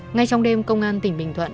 ngay trong đêm công an tỉnh bình thuận